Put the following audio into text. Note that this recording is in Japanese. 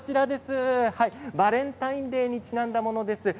バレンタインデーにちなんだものです。